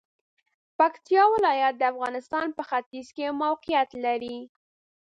پکتیا ولایت د افغانستان په ختیځ کې موقعیت لري.